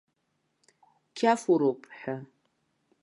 Қьафуроуп ҳәа.